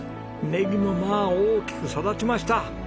ネギもまあ大きく育ちました。